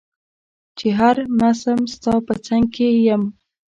چي هر مسم ستا په څنګ کي يم